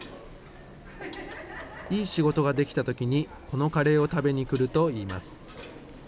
いい仕事ができたときに、このカレーを食べにくるといいます。